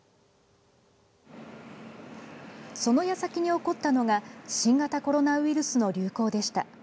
その矢先に起こったのが新型コロナウイルスの流行でした。